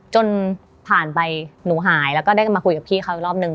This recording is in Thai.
จนผ่านไปหนูหายแล้วก็ได้มาคุยกับพี่เขาอีกรอบนึง